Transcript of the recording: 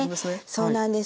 そうなんです。